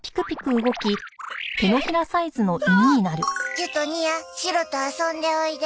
ジュとニアシロと遊んでおいで。